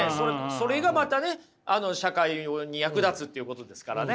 それがまたね社会に役立つっていうことですからね。